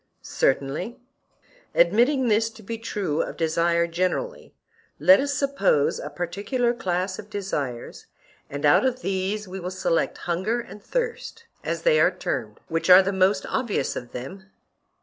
Certainly. Admitting this to be true of desire generally, let us suppose a particular class of desires, and out of these we will select hunger and thirst, as they are termed, which are the most obvious of them?